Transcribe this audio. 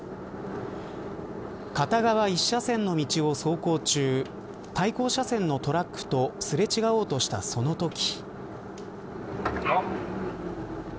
片側一車線の道を走行中対向車線のトラックとすれ違おうとした、そのとき。